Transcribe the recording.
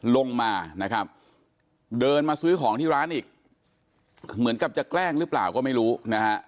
ลงมานะครับเดินมาซื้อของที่ร้านอีกเหมือนกับจะแกล้งหรือเปล่าก็ไม่รู้นะฮะ